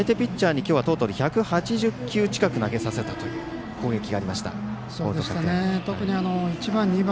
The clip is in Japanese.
相手ピッチャーに今日はトータル１０球近く投げさせたという攻撃がありました。